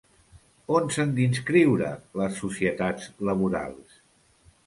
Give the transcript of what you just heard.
On s'han d'inscriure les societats laborals?